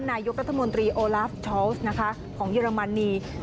นายกรัฐมนตรีโอลาฟชอลล์สของเยอรมันนี